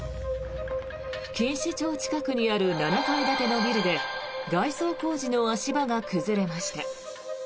錦糸町近くにある７階建てのビルで外装工事の足場が崩れました。